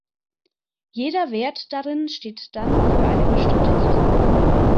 Jeder Wert darin steht dann für eine bestimmte Kachel.